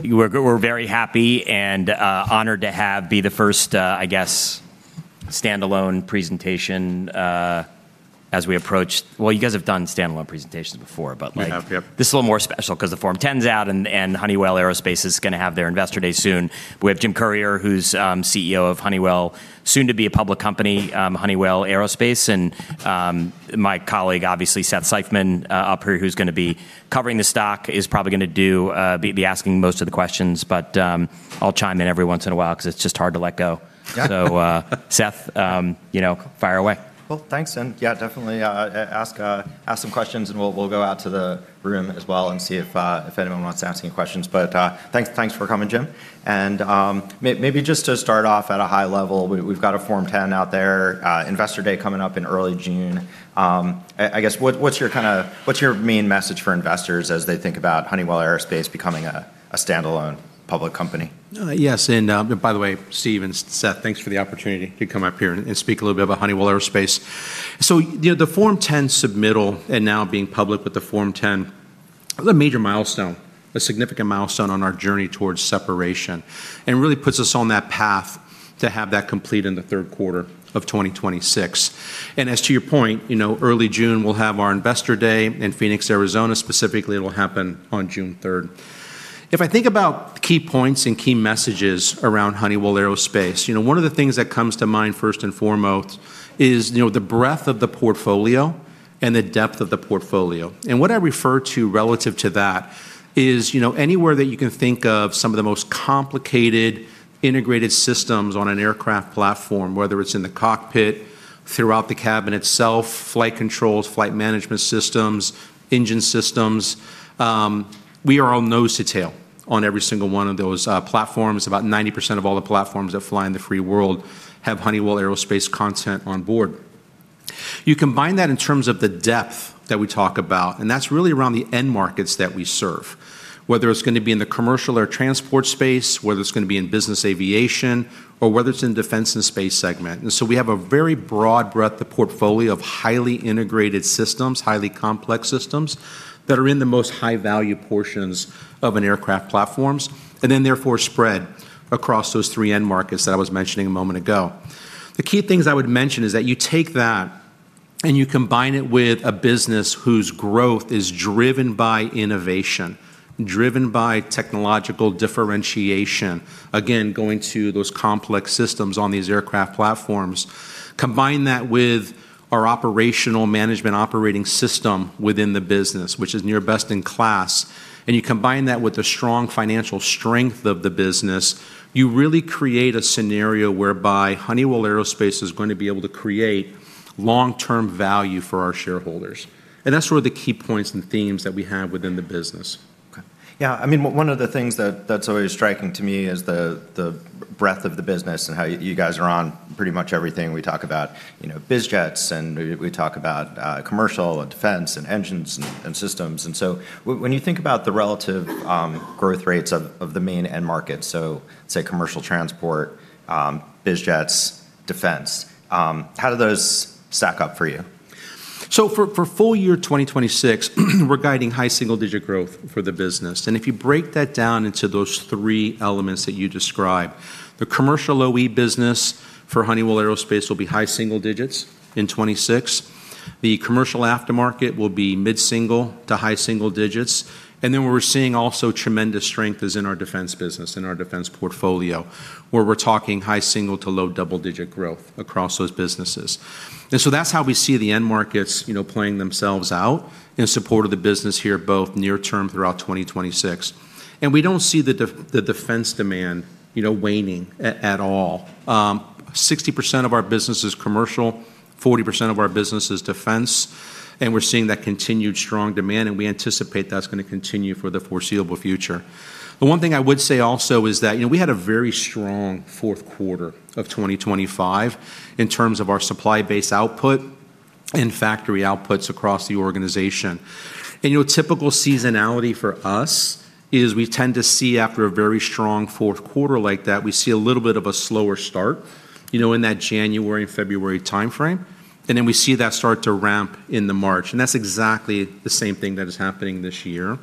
We're very happy and honored to be the first, I guess, standalone presentation as we approach. Well, you guys have done standalone presentations before, but like. We have, yep. This is a little more special because the Form 10's out and Honeywell Aerospace is gonna have their investor day soon. We have Jim Currier, who's CEO of Honeywell, soon to be a public company, Honeywell Aerospace, and my colleague, obviously, Seth Seifman up here, who's gonna be covering the stock, is probably gonna be asking most of the questions. I'll chime in every once in a while 'cause it's just hard to let go. Yeah. Seth, you know, fire away. Well, thanks, and yeah, definitely, ask some questions, and we'll go out to the room as well and see if anyone wants to ask any questions. Thanks for coming, Jim. Maybe just to start off at a high level, we've got a Form 10 out there, Investor Day coming up in early June. I guess, what's your main message for investors as they think about Honeywell Aerospace becoming a standalone public company? Yes, by the way, Steve and Seth, thanks for the opportunity to come up here and speak a little bit about Honeywell Aerospace. You know, the Form 10 submittal and now being public with the Form 10, a major milestone, a significant milestone on our journey towards separation, and really puts us on that path to have that complete in the third quarter of 2026. As to your point, you know, early June, we'll have our Investor Day in Phoenix, Arizona. Specifically, it'll happen on June third. If I think about key points and key messages around Honeywell Aerospace, you know, one of the things that comes to mind first and foremost is, you know, the breadth of the portfolio and the depth of the portfolio. What I refer to relative to that is, you know, anywhere that you can think of some of the most complicated integrated systems on an aircraft platform, whether it's in the cockpit, throughout the cabin itself, flight controls, flight management systems, engine systems, we are on nose to tail on every single one of those platforms. About 90% of all the platforms that fly in the free world have Honeywell Aerospace content on board. You combine that in terms of the depth that we talk about, and that's really around the end markets that we serve, whether it's gonna be in the commercial air transport space, whether it's gonna be in business aviation, or whether it's in defense and space segment. We have a very broad breadth of portfolio of highly integrated systems, highly complex systems, that are in the most high-value portions of an aircraft platforms, and then therefore spread across those three end markets that I was mentioning a moment ago. The key things I would mention is that you take that and you combine it with a business whose growth is driven by innovation, driven by technological differentiation, again, going to those complex systems on these aircraft platforms. Combine that with our operational management operating system within the business, which is near best in class, and you combine that with the strong financial strength of the business, you really create a scenario whereby Honeywell Aerospace is going to be able to create long-term value for our shareholders. That's really the key points and themes that we have within the business. Okay. Yeah, I mean, one of the things that's always striking to me is the breadth of the business and how you guys are on pretty much everything. We talk about, you know, biz jets, and we talk about commercial and defense and engines and systems. When you think about the relative growth rates of the main end markets, so, say, commercial transport, biz jets, defense, how do those stack up for you? For full year 2026, we're guiding high single-digit growth for the business. If you break that down into those three elements that you described, the commercial OE business for Honeywell Aerospace will be high single digits in 2026. The commercial aftermarket will be mid-single to high single digits. Then where we're seeing also tremendous strength is in our defense business, in our defense portfolio, where we're talking high single to low double-digit growth across those businesses. That's how we see the end markets, you know, playing themselves out in support of the business here, both near term throughout 2026. We don't see the defense demand, you know, waning at all. 60% of our business is commercial, 40% of our business is defense, and we're seeing that continued strong demand, and we anticipate that's gonna continue for the foreseeable future. The one thing I would say also is that, you know, we had a very strong fourth quarter of 2025 in terms of our supply base output and factory outputs across the organization. You know, typical seasonality for us is we tend to see after a very strong fourth quarter like that, we see a little bit of a slower start, you know, in that January and February timeframe, and then we see that start to ramp in the March. That's exactly the same thing that is happening this year.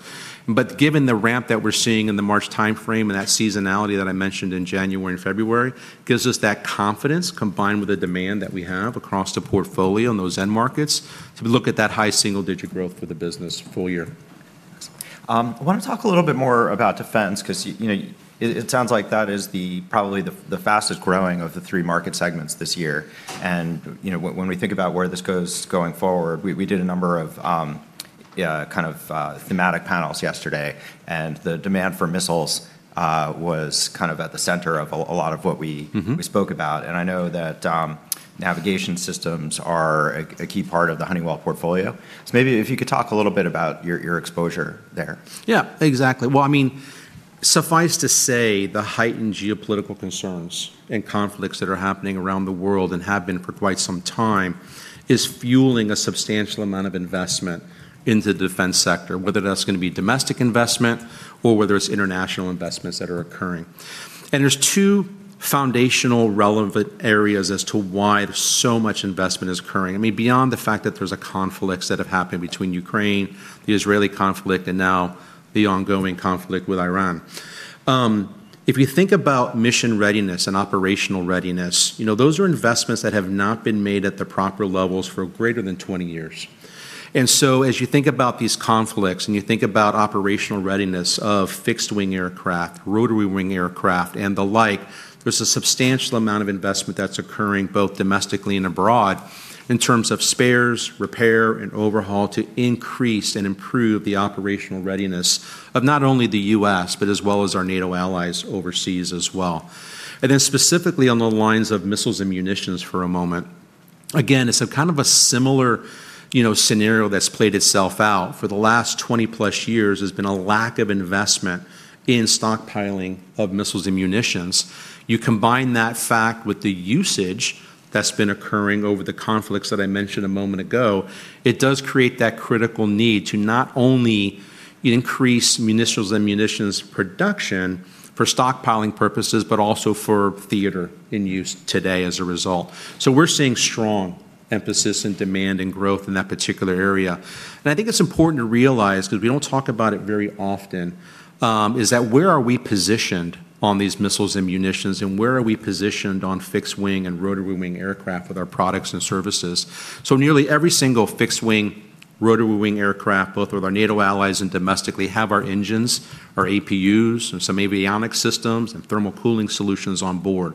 Given the ramp that we're seeing in the March timeframe and that seasonality that I mentioned in January and February gives us that confidence combined with the demand that we have across the portfolio in those end markets to look at that high single-digit growth for the business full year. I wanna talk a little bit more about defense because, you know, it sounds like that is probably the fastest growing of the three market segments this year. You know, when we think about where this goes going forward, we did a number of kind of thematic panels yesterday, and the demand for missiles was kind of at the center of a lot of what we Mm-hmm We spoke about. I know that navigation systems are a key part of the Honeywell portfolio. Maybe if you could talk a little bit about your exposure there. Yeah, exactly. Well, I mean, suffice to say the heightened geopolitical concerns and conflicts that are happening around the world and have been for quite some time is fueling a substantial amount of investment into the defense sector, whether that's gonna be domestic investment or whether it's international investments that are occurring. There's two foundational relevant areas as to why there's so much investment is occurring. I mean, beyond the fact that there's conflicts that have happened between Ukraine, the Israeli conflict, and now the ongoing conflict with Iran. If you think about mission readiness and operational readiness, you know, those are investments that have not been made at the proper levels for greater than 20 years. As you think about these conflicts, and you think about operational readiness of fixed-wing aircraft, rotary-wing aircraft, and the like, there's a substantial amount of investment that's occurring both domestically and abroad in terms of spares, repair, and overhaul to increase and improve the operational readiness of not only the U.S., but as well as our NATO allies overseas as well. Specifically on the lines of missiles and munitions for a moment, again, it's a kind of a similar, you know, scenario that's played itself out. For the last 20+ years, there's been a lack of investment in stockpiling of missiles and munitions. You combine that fact with the usage that's been occurring over the conflicts that I mentioned a moment ago, it does create that critical need to not only increase munitions and munitions production for stockpiling purposes, but also for theater in use today as a result. We're seeing strong emphasis in demand and growth in that particular area. I think it's important to realize, because we don't talk about it very often, is that where are we positioned on these missiles and munitions, and where are we positioned on fixed-wing and rotary-wing aircraft with our products and services? Nearly every single fixed-wing, rotary-wing aircraft, both with our NATO allies and domestically, have our engines, our APUs and some avionics systems and thermal cooling solutions on board.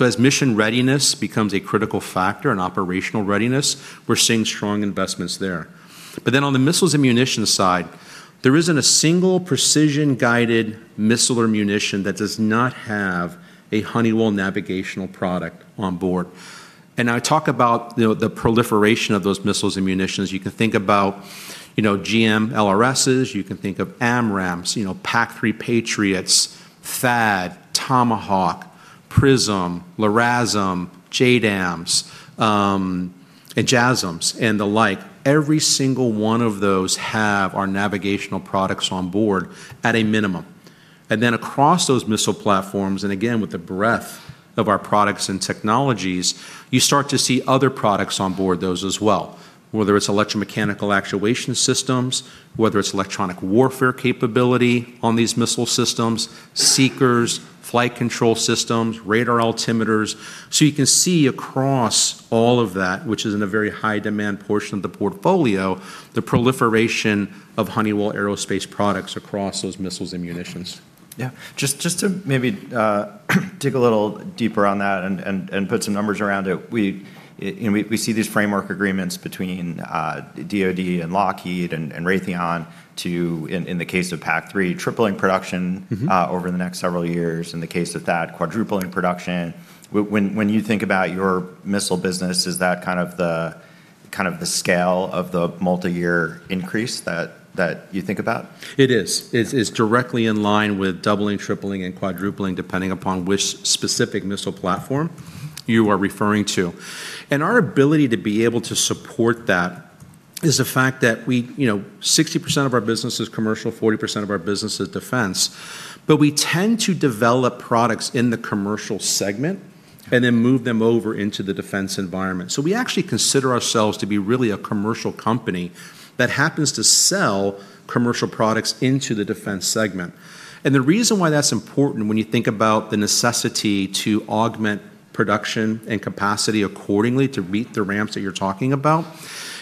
As mission readiness becomes a critical factor in operational readiness, we're seeing strong investments there. On the missiles and munitions side, there isn't a single precision-guided missile or munition that does not have a Honeywell navigational product on board. I talk about, you know, the proliferation of those missiles and munitions. You can think about, you know, GMLRSs, you can think of AMRAAMs, you know, PAC-3 Patriots, THAAD, Tomahawk, PrSM, LRASM, JDAMs, and JASSMs and the like. Every single one of those have our navigational products on board at a minimum. Across those missile platforms, and again, with the breadth of our products and technologies, you start to see other products on board those as well, whether it's electromechanical actuation systems, whether it's electronic warfare capability on these missile systems, seekers, flight control systems, radar altimeters. You can see across all of that, which is in a very high demand portion of the portfolio, the proliferation of Honeywell Aerospace products across those missiles and munitions. Yeah. Just to maybe dig a little deeper on that and put some numbers around it. You know, we see these framework agreements between DOD and Lockheed and Raytheon to, in the case of PAC-3, tripling production. Mm-hmm Over the next several years. In the case of THAAD, quadrupling production. When you think about your missile business, is that kind of the scale of the multiyear increase that you think about? It is. Okay. It is directly in line with doubling, tripling, and quadrupling, depending upon which specific missile platform you are referring to. Our ability to be able to support that is the fact that we You know, 60% of our business is commercial, 40% of our business is defense. We tend to develop products in the commercial segment and then move them over into the defense environment. We actually consider ourselves to be really a commercial company that happens to sell commercial products into the defense segment. The reason why that's important when you think about the necessity to augment production and capacity accordingly to meet the ramps that you're talking about,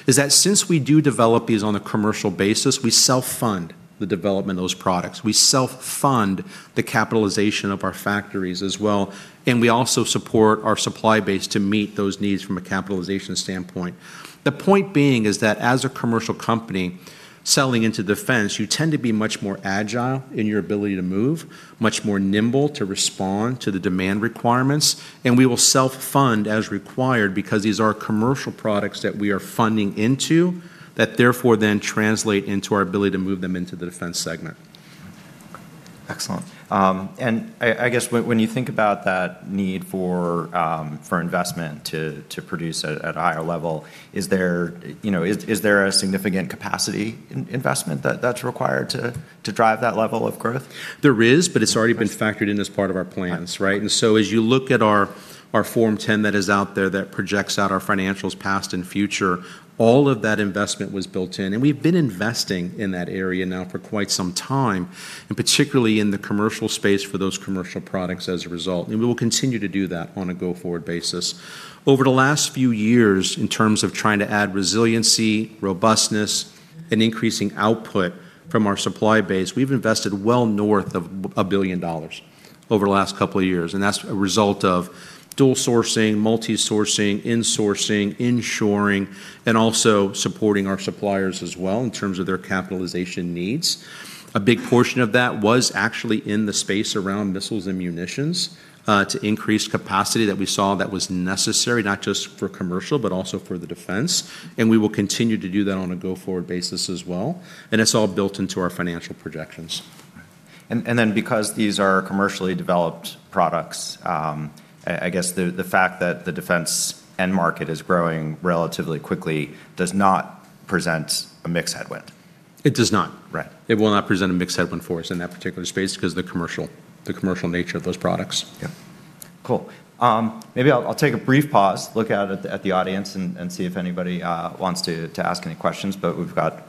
is that since we do develop these on a commercial basis, we self-fund the development of those products. We self-fund the capitalization of our factories as well, and we also support our supply base to meet those needs from a capitalization standpoint. The point being is that as a commercial company selling into defense, you tend to be much more agile in your ability to move, much more nimble to respond to the demand requirements, and we will self-fund as required because these are commercial products that we are funding into that therefore then translate into our ability to move them into the defense segment. Excellent. I guess when you think about that need for investment to produce at higher level, is there, you know, a significant capacity investment that's required to drive that level of growth? There is, but it's already been factored in as part of our plans, right? Right. As you look at our Form 10 that is out there that projects out our financials past and future, all of that investment was built in, and we've been investing in that area now for quite some time, and particularly in the commercial space for those commercial products as a result. We will continue to do that on a go-forward basis. Over the last few years, in terms of trying to add resiliency, robustness, and increasing output from our supply base, we've invested well north of $1 billion over the last couple of years, and that's a result of dual sourcing, multi-sourcing, in-sourcing, in-shoring, and also supporting our suppliers as well in terms of their capitalization needs. A big portion of that was actually in the space around missiles and munitions to increase capacity that we saw that was necessary not just for commercial, but also for the defense, and we will continue to do that on a go-forward basis as well, and it's all built into our financial projections. Because these are commercially developed products, I guess the fact that the defense end market is growing relatively quickly does not present a mixed headwind. It does not. Right. It will not present a mixed headwind for us in that particular space because the commercial nature of those products. Yeah. Cool. Maybe I'll take a brief pause, look out at the audience and see if anybody wants to ask any questions, but we've got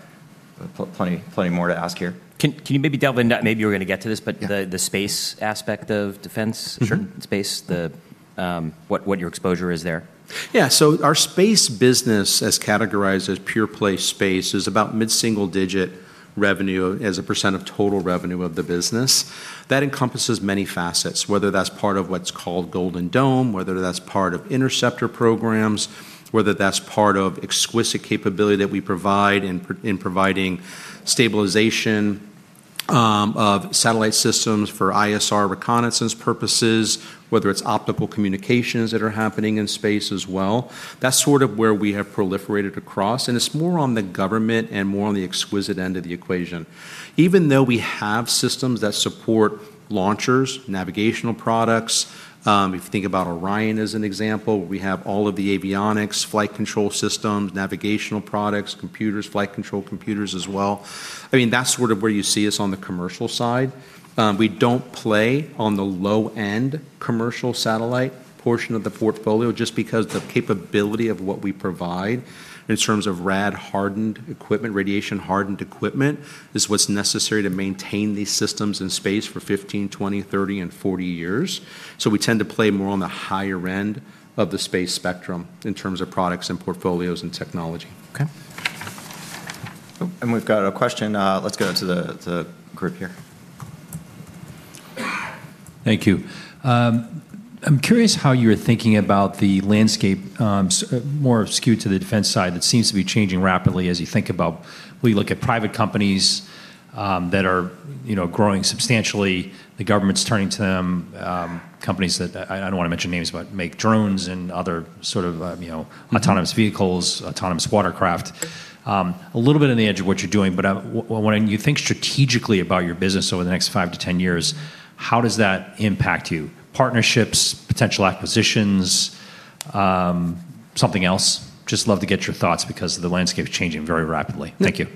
plenty more to ask here. Can you maybe delve into, maybe you were gonna get to this, but? Yeah The space aspect of defense? Sure. Space, what your exposure is there? Yeah. Our space business, as categorized as pure play space, is about mid-single digit revenue as a % of total revenue of the business. That encompasses many facets, whether that's part of what's called Golden Dome, whether that's part of interceptor programs, whether that's part of exquisite capability that we provide in providing stabilization of satellite systems for ISR reconnaissance purposes, whether it's optical communications that are happening in space as well. That's sort of where we have proliferated across, and it's more on the government and more on the exquisite end of the equation. Even though we have systems that support launchers, navigational products, if you think about Orion as an example, we have all of the avionics, flight control systems, navigational products, computers, flight control computers as well. I mean, that's sort of where you see us on the commercial side. We don't play on the low-end commercial satellite portion of the portfolio just because the capability of what we provide in terms of rad-hardened equipment, radiation-hardened equipment, is what's necessary to maintain these systems in space for 15, 20, 30, and 40 years. We tend to play more on the higher end of the space spectrum in terms of products and portfolios and technology. Okay. Oh, we've got a question. Let's go to the group here. Thank you. I'm curious how you're thinking about the landscape, more skewed to the defense side. It seems to be changing rapidly as you think about when you look at private companies that are, you know, growing substantially, the government's turning to them, companies that I don't wanna mention names, but make drones and other sort of, you know, autonomous vehicles, autonomous watercraft. A little bit on the edge of what you're doing, but when you think strategically about your business over the next five-10 years, how does that impact you? Partnerships, potential acquisitions, something else? Just love to get your thoughts because the landscape's changing very rapidly. Thank you.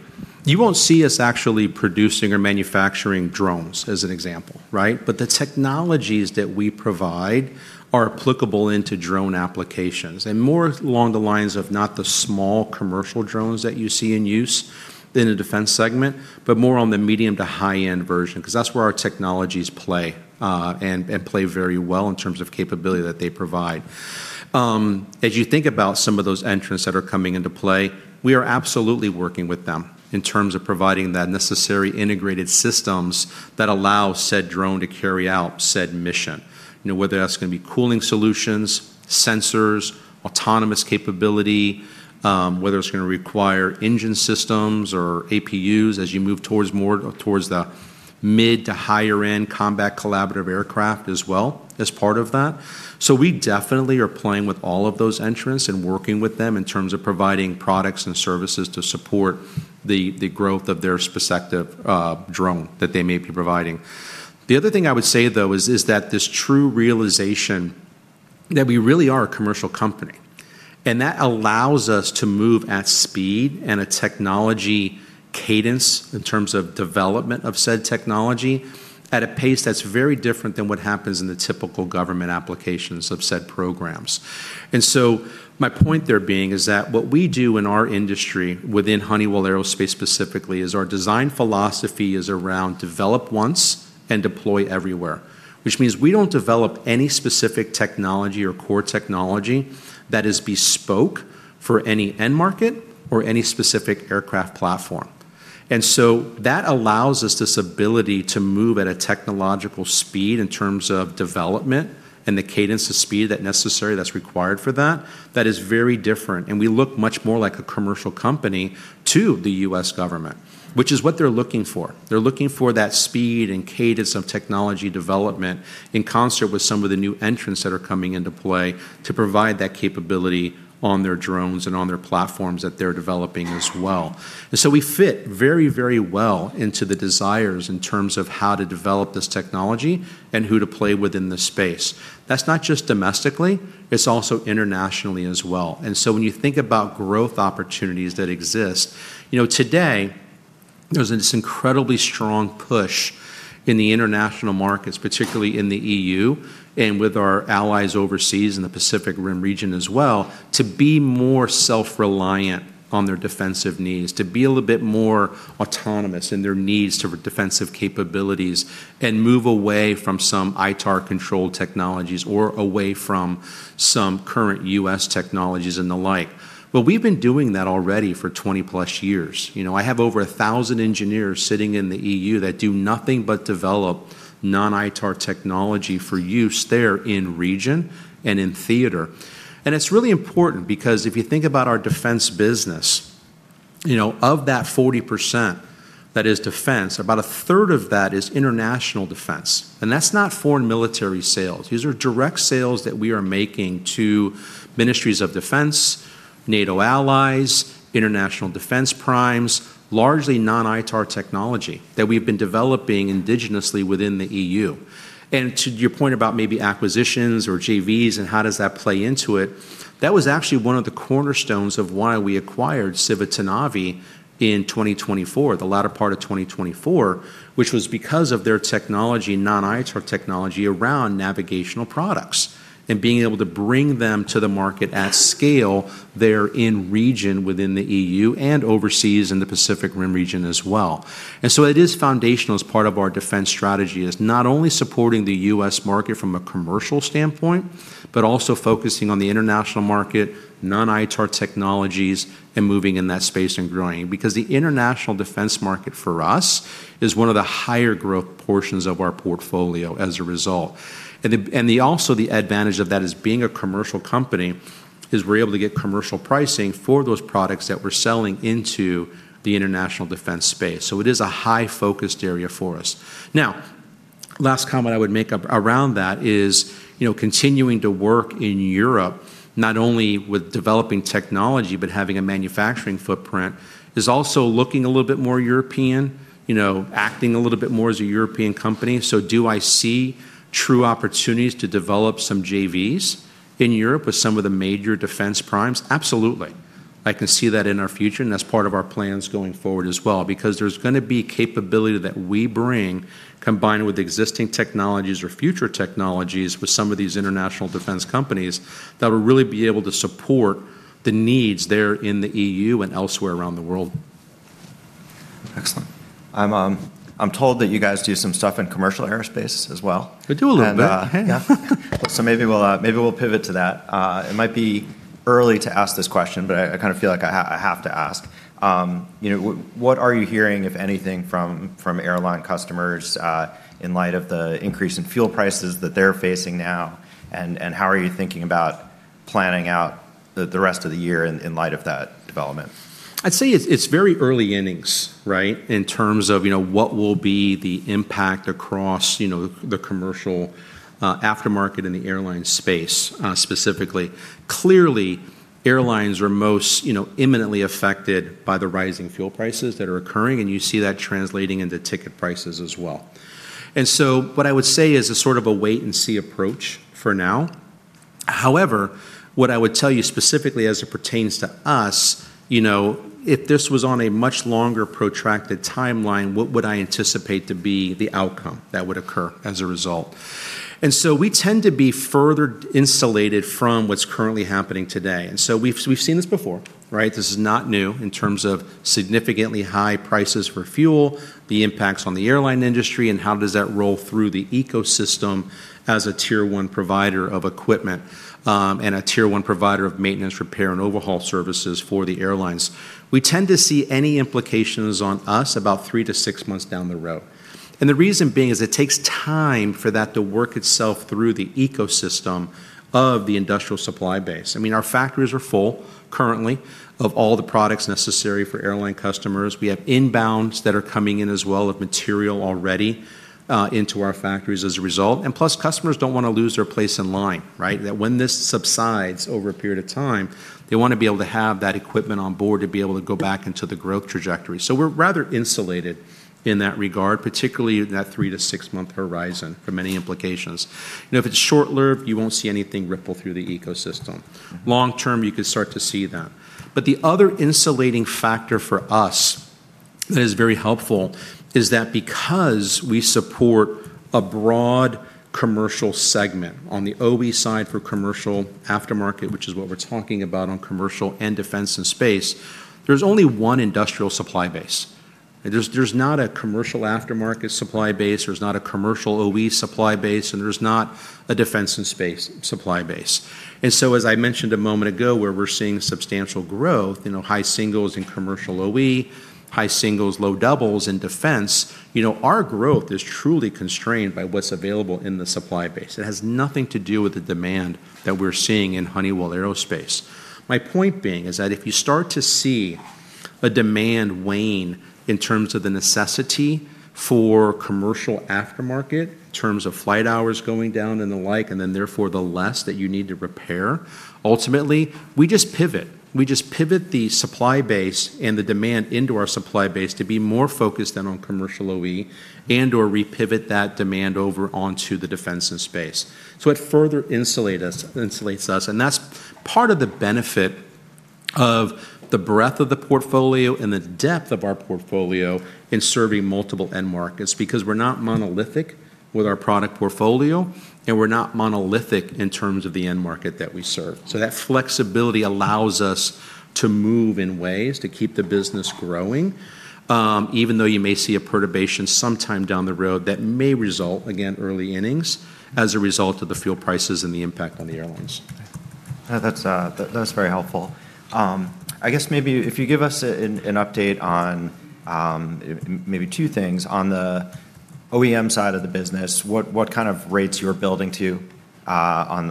You won't see us actually producing or manufacturing drones as an example, right? The technologies that we provide are applicable into drone applications and more along the lines of not the small commercial drones that you see in use in a defense segment, but more on the medium to high-end version, 'cause that's where our technologies play, and play very well in terms of capability that they provide. As you think about some of those entrants that are coming into play, we are absolutely working with them in terms of providing the necessary integrated systems that allow said drone to carry out said mission. You know, whether that's gonna be cooling solutions, sensors, autonomous capability, whether it's gonna require engine systems or APUs as you move towards the mid to higher end combat collaborative aircraft as well as part of that. We definitely are playing with all of those entrants and working with them in terms of providing products and services to support the growth of their respective drone that they may be providing. The other thing I would say, though, is the true realization that we really are a commercial company, and that allows us to move at speed and a technology cadence in terms of development of said technology at a pace that's very different than what happens in the typical government applications of said programs. My point there being is that what we do in our industry within Honeywell Aerospace specifically is our design philosophy is around develop once and deploy everywhere, which means we don't develop any specific technology or core technology that is bespoke for any end market or any specific aircraft platform. That allows us this ability to move at a technological speed in terms of development and the cadence of speed that's necessary, that's required for that is very different, and we look much more like a commercial company to the U.S. government, which is what they're looking for. They're looking for that speed and cadence of technology development in concert with some of the new entrants that are coming into play to provide that capability on their drones and on their platforms that they're developing as well. We fit very, very well into the desires in terms of how to develop this technology and who to play with in the space. That's not just domestically, it's also internationally as well. When you think about growth opportunities that exist, you know, today there's this incredibly strong push in the international markets, particularly in the EU and with our allies overseas in the Pacific Rim region as well, to be more self-reliant on their defensive needs, to be a little bit more autonomous in their needs to defensive capabilities and move away from some ITAR-controlled technologies or away from some current U.S. technologies and the like. We've been doing that already for 20+ years. You know, I have over 1,000 engineers sitting in the EU that do nothing but develop non-ITAR technology for use there in region and in theater. It's really important because if you think about our defense business, you know, of that 40% that is defense, about a third of that is international defense, and that's not foreign military sales. These are direct sales that we are making to ministries of defense, NATO allies, international defense primes, largely non-ITAR technology that we've been developing indigenously within the EU. To your point about maybe acquisitions or JVs and how does that play into it, that was actually one of the cornerstones of why we acquired Civitanavi in 2024, the latter part of 2024, which was because of their technology, non-ITAR technology around navigational products, and being able to bring them to the market at scale there in region within the EU and overseas in the Pacific Rim region as well. It is foundational as part of our defense strategy as not only supporting the U.S. market from a commercial standpoint, but also focusing on the international market, non-ITAR technologies, and moving in that space and growing because the international defense market for us is one of the higher growth portions of our portfolio as a result. Also the advantage of that is being a commercial company is we're able to get commercial pricing for those products that we're selling into the international defense space. It is a high-focused area for us. Now, last comment I would make around that is, you know, continuing to work in Europe, not only with developing technology but having a manufacturing footprint, is also looking a little bit more European, you know, acting a little bit more as a European company. Do I see true opportunities to develop some JVs in Europe with some of the major defense primes? Absolutely. I can see that in our future, and that's part of our plans going forward as well because there's gonna be capability that we bring combined with existing technologies or future technologies with some of these international defense companies that will really be able to support the needs there in the EU and elsewhere around the world. Excellent. I'm told that you guys do some stuff in commercial aerospace as well. We do a little bit. Yeah. Maybe we'll pivot to that. It might be early to ask this question, but I kind of feel like I have to ask. You know, what are you hearing, if anything, from airline customers in light of the increase in fuel prices that they're facing now? And how are you thinking about planning out the rest of the year in light of that development? I'd say it's very early innings, right, in terms of, you know, what will be the impact across, you know, the commercial aftermarket in the airline space, specifically. Clearly, airlines are most, you know, imminently affected by the rising fuel prices that are occurring, and you see that translating into ticket prices as well. What I would say is a sort of a wait and see approach for now. However, what I would tell you specifically as it pertains to us, you know, if this was on a much longer protracted timeline, what would I anticipate to be the outcome that would occur as a result? We tend to be further insulated from what's currently happening today, and so we've seen this before, right? This is not new in terms of significantly high prices for fuel, the impacts on the airline industry, and how does that roll through the ecosystem as a tier one provider of equipment, and a tier one provider of maintenance repair and overhaul services for the airlines. We tend to see any implications on us about three-six months down the road, and the reason being is it takes time for that to work itself through the ecosystem of the industrial supply base. I mean, our factories are full currently of all the products necessary for airline customers. We have inbounds that are coming in as well of material already, into our factories as a result. Plus customers don't wanna lose their place in line, right? That when this subsides over a period of time, they wanna be able to have that equipment on board to be able to go back into the growth trajectory. We're rather insulated in that regard, particularly in that three-six-month horizon for many implications. You know, if it's short-lived, you won't see anything ripple through the ecosystem. Long term, you could start to see that. The other insulating factor for us that is very helpful is that because we support a broad commercial segment on the OE side for commercial aftermarket, which is what we're talking about on commercial and defense and space, there's only one industrial supply base. There's not a commercial aftermarket supply base, there's not a commercial OE supply base, and there's not a defense and space supply base. As I mentioned a moment ago, where we're seeing substantial growth, you know, high single digits in commercial OE, high single digits, low double digits in defense, you know, our growth is truly constrained by what's available in the supply base. It has nothing to do with the demand that we're seeing in Honeywell Aerospace. My point being is that if you start to see a demand wane in terms of the necessity for commercial aftermarket, in terms of flight hours going down and the like, and then therefore the less that you need to repair, ultimately we just pivot. We just pivot the supply base and the demand into our supply base to be more focused in on commercial OE and/or repivot that demand over onto the defense and space. It further insulates us, and that's part of the benefit of the breadth of the portfolio and the depth of our portfolio in serving multiple end markets because we're not monolithic with our product portfolio, and we're not monolithic in terms of the end market that we serve. That flexibility allows us to move in ways to keep the business growing, even though you may see a perturbation sometime down the road that may result, again, early innings, as a result of the fuel prices and the impact on the airlines. That's very helpful. I guess maybe if you give us an update on maybe two things. On the OEM side of the business, what kind of rates you're building to on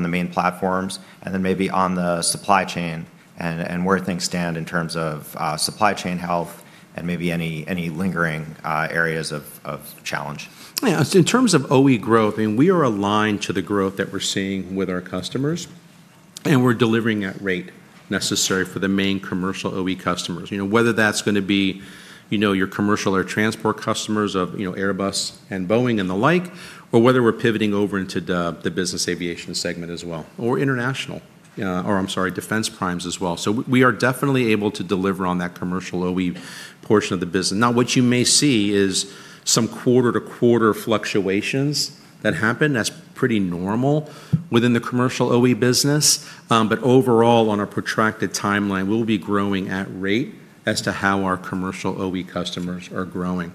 the main platforms, and then maybe on the supply chain and where things stand in terms of supply chain health. Maybe any lingering areas of challenge. Yeah, in terms of OE growth, I mean, we are aligned to the growth that we're seeing with our customers, and we're delivering at rate necessary for the main commercial OE customers. You know, whether that's gonna be, you know, your commercial or transport customers of, you know, Airbus and Boeing and the like, or whether we're pivoting over into the business aviation segment as well, or international, or I'm sorry, defense primes as well. We are definitely able to deliver on that commercial OE portion of the business. Now what you may see is some quarter-to-quarter fluctuations that happen. That's pretty normal within the commercial OE business, but overall on a protracted timeline, we'll be growing at rate as to how our commercial OE customers are growing.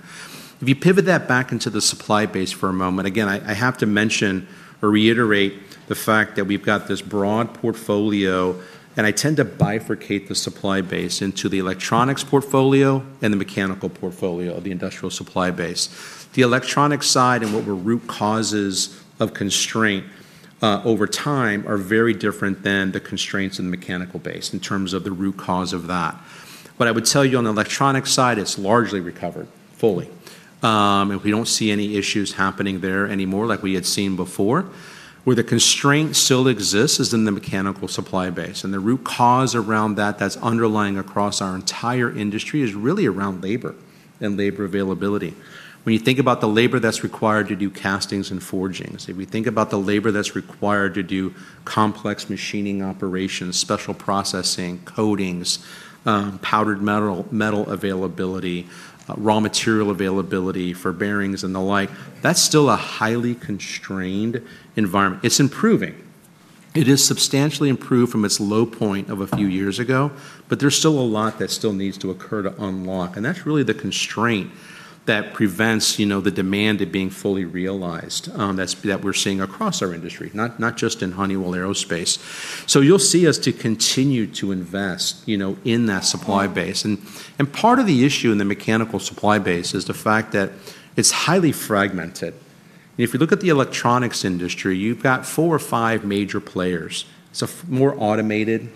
If you pivot that back into the supply base for a moment, again, I have to mention or reiterate the fact that we've got this broad portfolio, and I tend to bifurcate the supply base into the electronics portfolio and the mechanical portfolio of the industrial supply base. The electronic side and what were root causes of constraint over time are very different than the constraints in the mechanical base in terms of the root cause of that. What I would tell you on the electronic side, it's largely recovered fully, and we don't see any issues happening there anymore like we had seen before. Where the constraint still exists is in the mechanical supply base, and the root cause around that that's underlying across our entire industry is really around labor and labor availability. When you think about the labor that's required to do castings and forgings, if we think about the labor that's required to do complex machining operations, special processing, coatings, powdered metal availability, raw material availability for bearings and the like, that's still a highly constrained environment. It's improving. It is substantially improved from its low point of a few years ago, but there's still a lot that still needs to occur to unlock, and that's really the constraint that prevents, you know, the demand at being fully realized, that's that we're seeing across our industry, not just in Honeywell Aerospace. So you'll see us to continue to invest, you know, in that supply base. Part of the issue in the mechanical supply base is the fact that it's highly fragmented. If you look at the electronics industry, you've got four or five major players, so far more automated,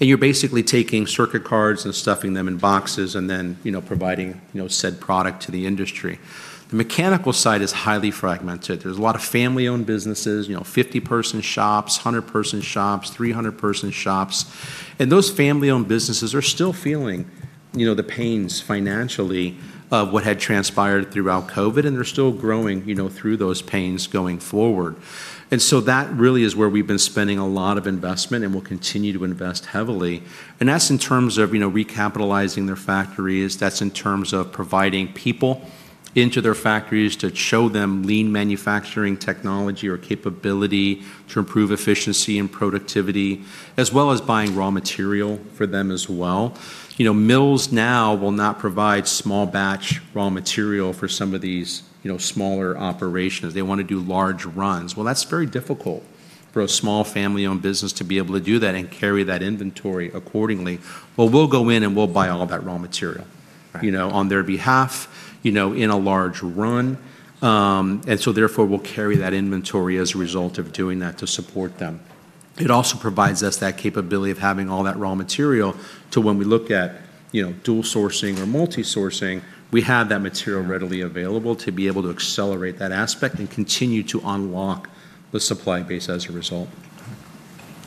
and you're basically taking circuit cards and stuffing them in boxes and then, you know, providing, you know, said product to the industry. The mechanical side is highly fragmented. There's a lot of family-owned businesses, you know, 50-person shops, 100-person shops, 300-person shops, and those family-owned businesses are still feeling, you know, the pains financially of what had transpired throughout COVID, and they're still growing, you know, through those pains going forward. And so that really is where we've been spending a lot of investment and will continue to invest heavily, and that's in terms of, you know, recapitalizing their factories, that's in terms of providing people into their factories to show them lean manufacturing technology or capability to improve efficiency and productivity, as well as buying raw material for them as well. You know, mills now will not provide small batch raw material for some of these, you know, smaller operations. They wanna do large runs. Well, that's very difficult for a small family-owned business to be able to do that and carry that inventory accordingly. Well, we'll go in, and we'll buy all that raw material. Right You know, on their behalf, you know, in a large run, and so therefore we'll carry that inventory as a result of doing that to support them. It also provides us that capability of having all that raw material to, when we look at, you know, dual sourcing or multi sourcing, we have that material readily available to be able to accelerate that aspect and continue to unlock the supply base as a result.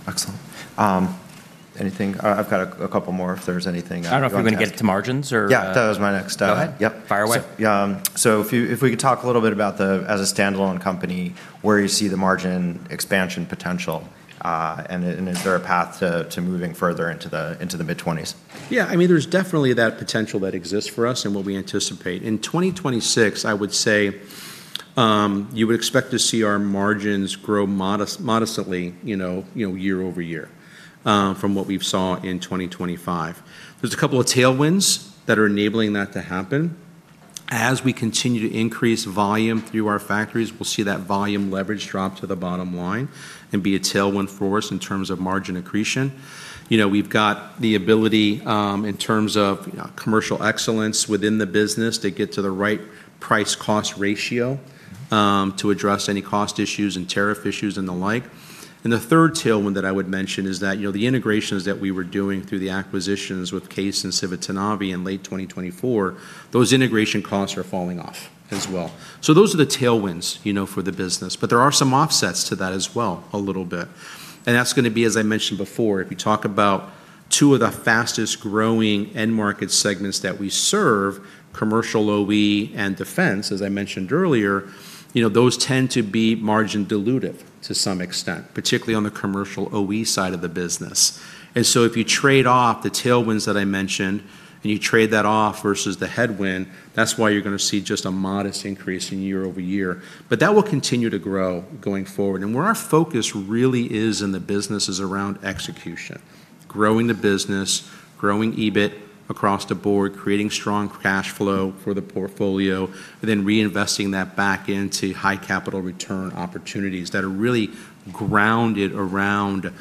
Excellent. I've got a couple more, if there's anything you wanna get to. I don't know if you're gonna get to margins or. Yeah, that was my next. Go ahead. Yep. Fire away. If we could talk a little bit about as a standalone company where you see the margin expansion potential, and is there a path to moving further into the mid-20s%? Yeah. I mean, there's definitely that potential that exists for us and what we anticipate. In 2026 I would say, you would expect to see our margins grow modestly, you know, year over year, from what we've saw in 2025. There's a couple of tailwinds that are enabling that to happen. As we continue to increase volume through our factories, we'll see that volume leverage drop to the bottom line and be a tailwind for us in terms of margin accretion. You know, we've got the ability, in terms of, commercial excellence within the business to get to the right price/cost ratio, to address any cost issues and tariff issues and the like. The third tailwind that I would mention is that, you know, the integrations that we were doing through the acquisitions with CAES and Civitanavi in late 2024, those integration costs are falling off as well. Those are the tailwinds, you know, for the business, but there are some offsets to that as well a little bit, and that's gonna be, as I mentioned before, if you talk about two of the fastest growing end market segments that we serve, commercial OE and defense, as I mentioned earlier, you know, those tend to be margin dilutive to some extent, particularly on the commercial OE side of the business. If you trade off the tailwinds that I mentioned, and you trade that off versus the headwind, that's why you're gonna see just a modest increase in YoY. That will continue to grow going forward. Where our focus really is in the business is around execution, growing the business, growing EBIT across the board, creating strong cash flow for the portfolio, and then reinvesting that back into high capital return opportunities that are really grounded around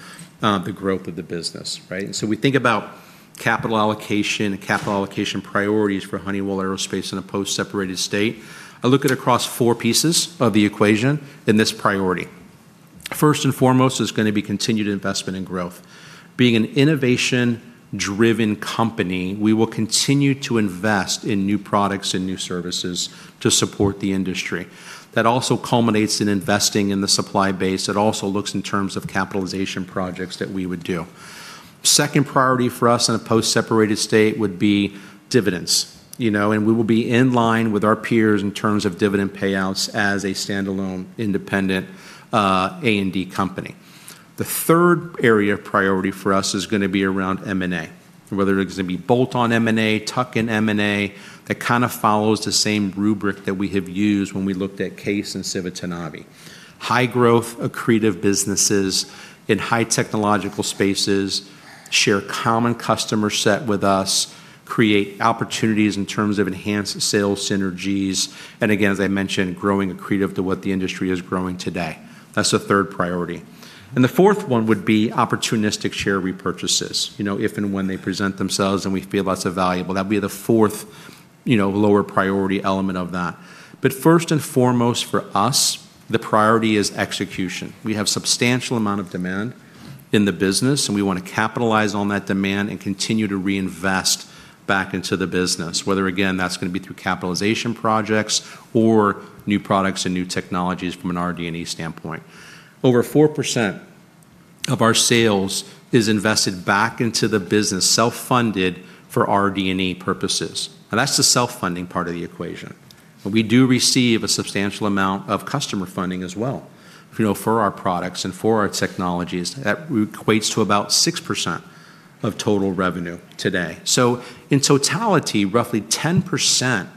the growth of the business, right? We think about capital allocation and capital allocation priorities for Honeywell Aerospace in a post-separated state. I look at across four pieces of the equation in this priority. First and foremost, there's gonna be continued investment and growth. Being an innovation-driven company, we will continue to invest in new products and new services to support the industry. That also culminates in investing in the supply base. It also looks in terms of capital projects that we would do. Second priority for us in a post-separated state would be dividends, you know, and we will be in line with our peers in terms of dividend payouts as a standalone, independent, A&D company. The third area of priority for us is gonna be around M&A, whether it is gonna be bolt-on M&A, tuck-in M&A. That kind of follows the same rubric that we have used when we looked at CAES and Civitanavi. High-growth, accretive businesses in high technological spaces, share common customer set with us, create opportunities in terms of enhanced sales synergies, and again, as I mentioned, growing accretive to what the industry is growing today. That's the third priority. The fourth one would be opportunistic share repurchases, you know, if and when they present themselves, and we feel that's valuable. That'd be the fourth, you know, lower priority element of that. First and foremost, for us, the priority is execution. We have substantial amount of demand in the business, and we wanna capitalize on that demand and continue to reinvest back into the business, whether, again, that's gonna be through capitalization projects or new products and new technologies from an RD&E standpoint. Over 4% of our sales is invested back into the business, self-funded for RD&E purposes. Now, that's the self-funding part of the equation. We do receive a substantial amount of customer funding as well, you know, for our products and for our technologies. That equates to about 6% of total revenue today. In totality, roughly 10%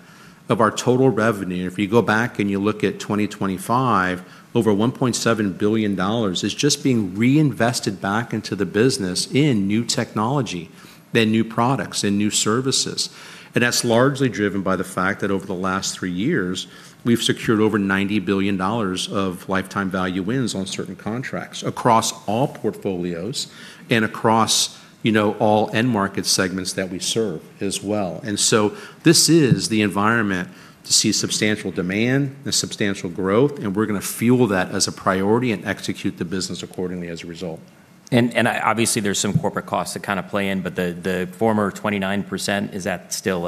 of our total revenue, and if you go back and you look at 2025, over $1.7 billion is just being reinvested back into the business in new technology, in new products, in new services, and that's largely driven by the fact that over the last three years we've secured over $90 billion of lifetime value wins on certain contracts across all portfolios and across, you know, all end market segments that we serve as well. This is the environment to see substantial demand and substantial growth, and we're gonna fuel that as a priority and execute the business accordingly as a result. Obviously, there's some corporate costs that kind of play in, but the former 29%, is that still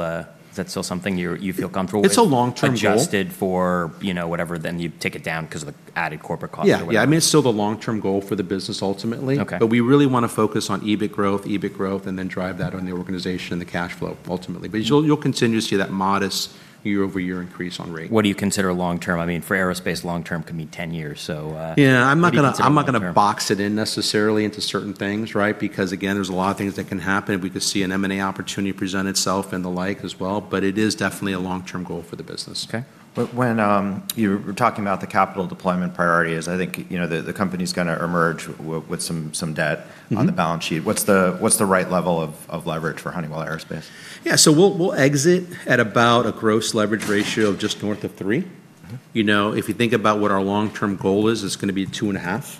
something you feel comfortable with? It's a long-term goal. Adjusted for, you know, whatever, then you take it down 'cause of the added corporate costs or whatever? Yeah, I mean, it's still the long-term goal for the business ultimately. Okay. We really wanna focus on EBIT growth, and then drive that on the organization and the cash flow ultimately. You'll continue to see that modest YoY increase on rate. What do you consider long term? I mean, for aerospace, long term can mean 10 years, so. Yeah. What do you consider long term? I'm not gonna box it in necessarily into certain things, right? Because, again, there's a lot of things that can happen. We could see an M&A opportunity present itself and the like as well, but it is definitely a long-term goal for the business. Okay. When you were talking about the capital deployment priority, I think, you know, the company's gonna emerge with some debt- Mm-hmm -on the balance sheet. What's the right level of leverage for Honeywell Aerospace? We'll exit at about a gross leverage ratio of just north of three. Mm-hmm. You know, if you think about what our long-term goal is, it's gonna be 2.5.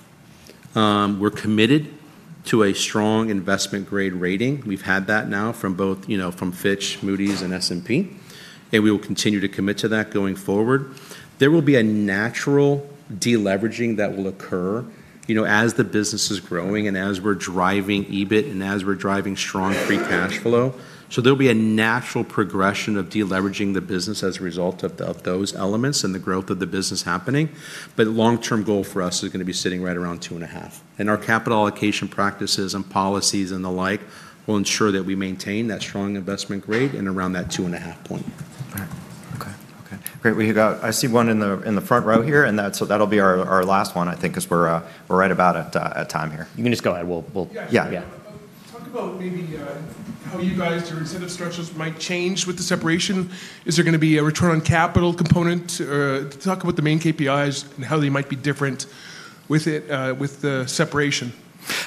We're committed to a strong investment-grade rating. We've had that now from both, you know, from Fitch, Moody's, and S&P, and we will continue to commit to that going forward. There will be a natural de-leveraging that will occur, you know, as the business is growing and as we're driving EBIT and as we're driving strong free cash flow, so there'll be a natural progression of de-leveraging the business as a result of those elements and the growth of the business happening, but long-term goal for us is gonna be sitting right around 2.5, and our capital allocation practices and policies and the like will ensure that we maintain that strong investment-grade and around that 2.5 point. All right. Okay. Great. I see one in the front row here, and that's so that'll be our last one I think, 'cause we're right about at time here. You can just go ahead. Yeah. Yeah, yeah. Talk about maybe how you guys your incentive structures might change with the separation. Is there gonna be a return on capital component? Talk about the main KPIs and how they might be different with it with the separation.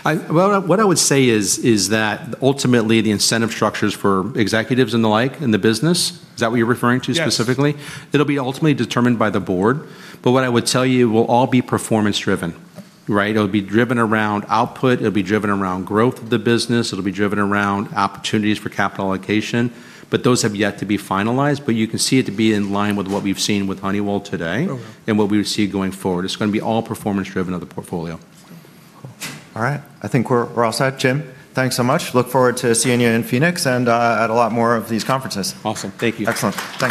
Well, what I would say is that ultimately the incentive structures for executives and the like in the business, is that what you're referring to specifically? Yes. It'll be ultimately determined by the board, but what I would tell you, it will all be performance driven, right? It'll be driven around output. It'll be driven around growth of the business. It'll be driven around opportunities for capital allocation, but those have yet to be finalized, but you can see it to be in line with what we've seen with Honeywell today. Oh, wow. And what we would see going forward. It's gonna be all performance driven of the portfolio. All right. I think we're all set. Jim, thanks so much. Look forward to seeing you in Phoenix and at a lot more of these conferences. Awesome. Thank you. Excellent. Thanks.